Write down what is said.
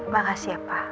makasih ya pa